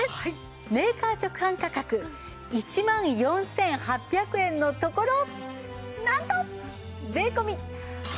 メーカー直販価格１万４８００円のところなんと税込８９８０円です。